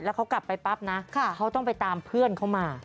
แล้วเขากลับไปปั๊บนะเขาต้องไปตามเพื่อนเขามา